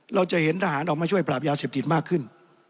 เราจะเห็นทหารออกมาช่วยปราบยาเสพติดมากขึ้น